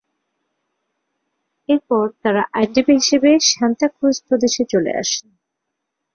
এরপর তারা আইনজীবী হিসেবে সান্তা ক্রুজ প্রদেশে চলে আসেন।